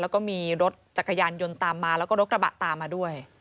แล้วก็มีรถจักรยานยนต์ตามมาแล้วก็รถกระบะตามมาด้วย